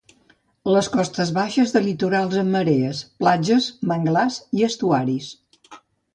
Les costes baixes de litorals amb marees: platges, manglars i estuaris.